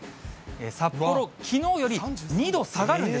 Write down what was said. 札幌、きのうより２度下がるんです。